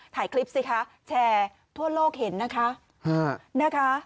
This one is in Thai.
ถ่ายคลิปสิคะแชร์ทั่วโลกเห็นนะคะ